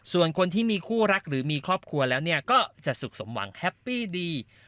ส่วนคนที่มีคู่รักหรือมีครอบครัวแล้วก็จะสุขสมหวังแฮปปี้ดี